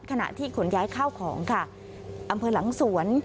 ขณะที่ขนย้ายข้าวของค่ะอำเภอหลังสวน